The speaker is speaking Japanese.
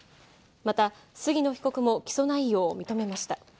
また杉野被告も起訴内容を認めました。